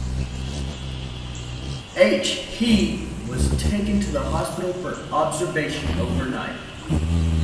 H He was taken to the hospital for observation overnight.